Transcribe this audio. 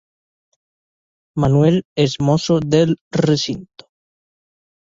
Manuel es mozo del recinto.